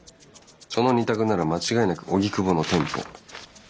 その二択なら間違いなく荻窪の店舗。